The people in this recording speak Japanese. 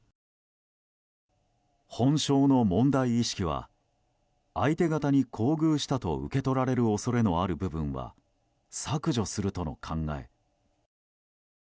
本省の問題意識は相手方に厚遇したと受け取られる恐れのある部分は削除するとの考え。